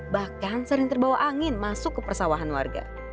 bahkan sering terbawa angin masuk ke persawahan warga